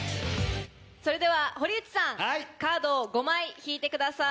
それでは堀内さんカードを５枚引いてください。